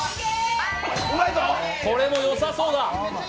これもよさそうだ。